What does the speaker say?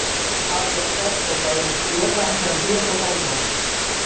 Els efectes de l'erupció es van sentir a tot el món.